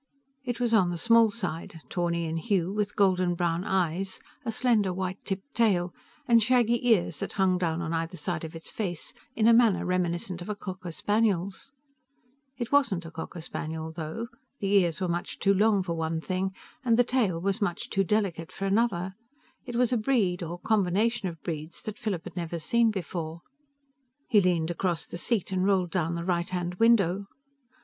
It was on the small side, tawny in hue, with golden brown eyes, a slender white tipped tail, and shaggy ears that hung down on either side of its face in a manner reminiscent of a cocker spaniel's. It wasn't a cocker spaniel, though. The ears were much too long, for one thing, and the tail was much too delicate, for another. It was a breed or combination of breeds that Philip had never seen before. He leaned across the seat and rolled down the right hand window.